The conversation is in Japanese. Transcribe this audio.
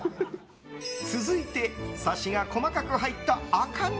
続いてサシが細かく入った赤身。